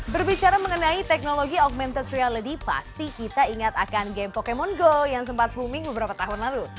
berbicara mengenai teknologi augmented reality pasti kita ingat akan game pokemon go yang sempat booming beberapa tahun lalu